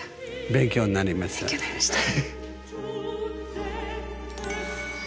勉強になりました。